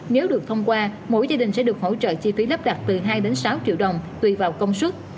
nếu được thông qua mỗi gia đình sẽ được hỗ trợ chi phí lắp đặt từ hai đến sáu triệu đồng tùy vào công suất